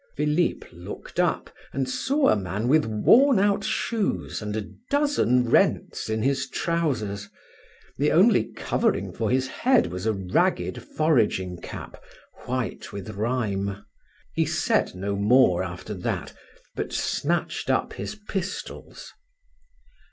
Philips looked up and saw a man with worn out shoes and a dozen rents in his trousers; the only covering for his head was a ragged foraging cap, white with rime. He said no more after that, but snatched up his pistols.